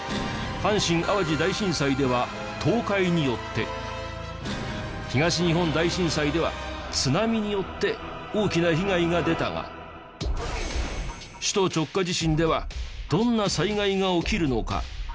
阪神・淡路大震災では倒壊によって東日本大震災では津波によって大きな被害が出たが首都直下地震ではどんな災害が起きるのか？